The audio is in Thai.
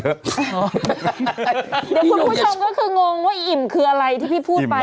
เดี๋ยวคุณผู้ชมก็คืองงว่าอิ่มคืออะไรที่พี่พูดไป